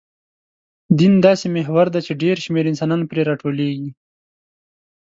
دین داسې محور دی، چې ډېر شمېر انسانان پرې راټولېږي.